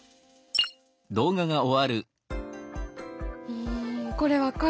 うんこれ分かる。